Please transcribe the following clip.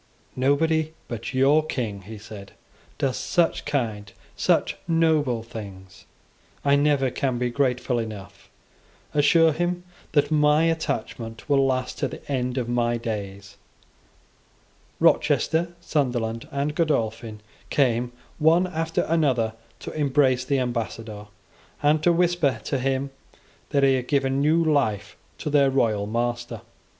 "Nobody but your King," he said, "does such kind, such noble things. I never can be grateful enough. Assure him that my attachment will last to the end of my days." Rochester, Sunderland, and Godolphin came, one after another, to embrace the ambassador, and to whisper to him that he had given new life to their royal master.